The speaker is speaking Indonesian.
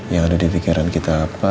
yang ada di pikiran kita